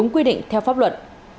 quyết định theo pháp luận